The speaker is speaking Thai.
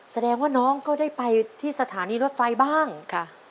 แสดงว่าน้องก็ได้ไปที่สถานีรถไฟบ้างค่ะ